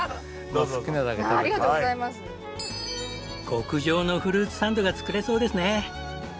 極上のフルーツサンドが作れそうですね！